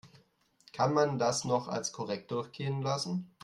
Kann man das noch als korrekt durchgehen lassen?